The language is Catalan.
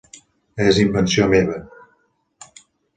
És invenció meva.